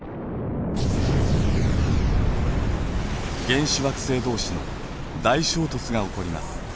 原始惑星同士の大衝突が起こります。